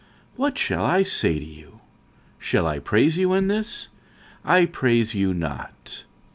What shall I say to you? shall I praise you in this? I praise you not.